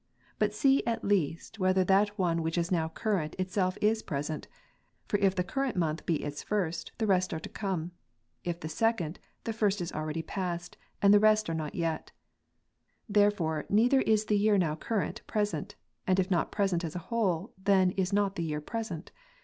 But see at' least whether that one which is now current, itself is present; for if the current month be its first, the rest are to come ; if the second, the first is already past, and the rest are not yet. Therefore, neither is the year now current present ; and if not present as a whole, then is not the year present.